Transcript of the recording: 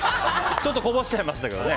ちょっとこぼしちゃいましたけど。